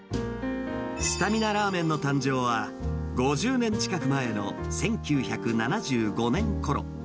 スタミナラーメンの誕生は、５０年近く前の１９７５年ころ。